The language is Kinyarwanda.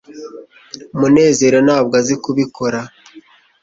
munezero ntabwo azi kubikora